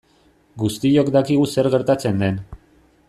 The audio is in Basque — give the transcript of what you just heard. Guztiok dakigu zer gertatzen den.